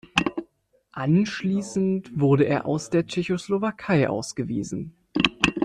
Anschließend wurde er aus der Tschechoslowakei ausgewiesen.